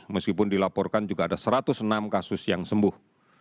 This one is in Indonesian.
meskipun dilaporkan juga ada satu ratus enam kasus yang sembuh